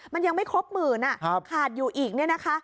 มันยังไม่ครบหมื่นขาดอยู่อีกเนี่ยนะคะ